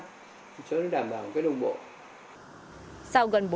cho nó đảm bảo cái đồng bộ